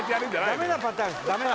ダメなパターン